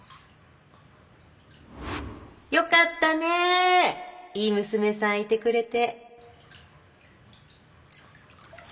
よかったねいい娘さんいてくれて。